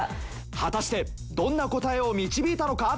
果たしてどんな答えを導いたのか？